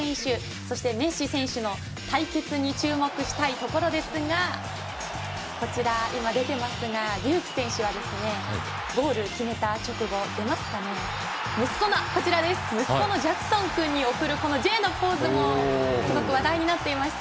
そしてメッシ選手の活躍に注目したいですがデューク選手はゴールを決めた直後息子のジャクソン君に送るＪのポーズも話題になっていました。